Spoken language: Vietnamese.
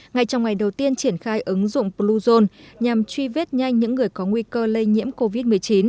ngay trong ngày đầu tiên triển khai ứng dụng bluezone nhằm truy vết nhanh những người có nguy cơ lây nhiễm covid một mươi chín